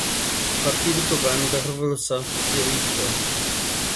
Partido Cubano da Revolução Socialista